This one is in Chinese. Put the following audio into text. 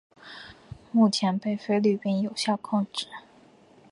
目前被菲律宾有效控制。